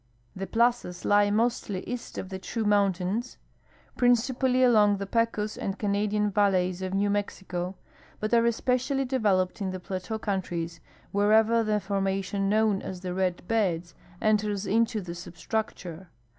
The j)lazas lie mostly east of the true mountains, principally along the Pecos and Canadian valleys of New Mexico, but are es{)ccially develoj)ed in the plateau countries wherever the forma tion known as the Red Beds enters into the substructure.